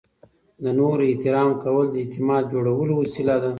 د نورو احترام کول د اعتماد جوړولو وسیله ده.